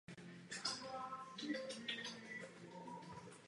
Vím, že pronesla stejné prohlášení při své osobní návštěvě Budapešti.